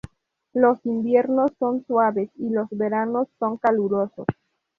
Los inviernos son suaves y los veranos son calurosos.